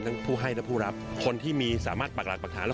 ทั้งผู้ให้และผู้รับคนที่มีสามารถปลากราบประทานและ